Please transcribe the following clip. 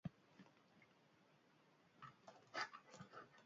Halaber, beste proba bat ardoak eta osagai jakin batzuk uztartzean oinarritzen da.